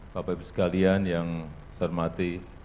bapak ibu sekalian yang saya hormati